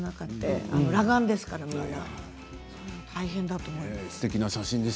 裸眼ですからみんな大変だと思います。